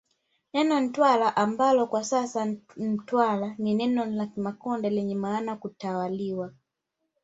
Neno Ntwara ambalo kwa sasa Mtwara ni neno la Kimakonde lenye maana ya kutwaaliwa